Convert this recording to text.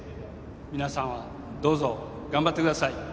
皆様、どうぞ頑張ってください。